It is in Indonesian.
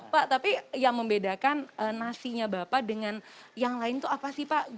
pak tapi yang membedakan nasinya bapak dengan yang lain seperti apa